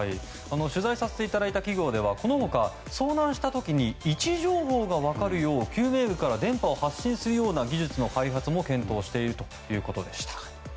取材させていただいた企業では遭難した時に位置情報が分かるよう救命具から電波を発信するような技術の開発も検討しているということでした。